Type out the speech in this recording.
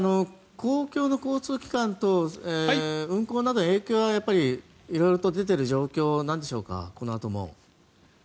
公共の交通機関等影響はやっぱり色々と出ている状況でしょうか、このあとも。